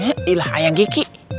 eh ilah ayang geki